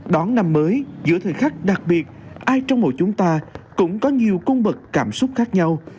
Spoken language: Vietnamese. đón năm mới giữa thời khắc đặc biệt ai trong mỗi chúng ta cũng có nhiều cung bậc cảm xúc khác nhau